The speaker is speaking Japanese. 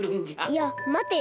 いやまてよ。